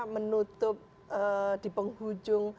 menutup di penghujung